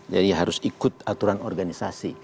jadi harus ikut aturan organisasi